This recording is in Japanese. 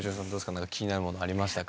何か気になるものありましたか？